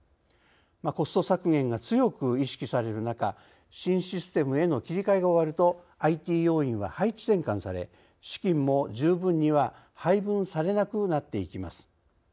コスト削減が強く意識される中新システムへの切り替えが終わるとＩＴ要員は配置転換され資金も十分には配分されなくなっていきます。